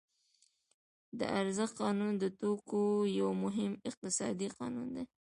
د ارزښت قانون د توکو یو مهم اقتصادي قانون دی